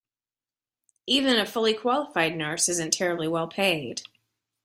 Even a fully qualified nurse isn’t terribly well paid.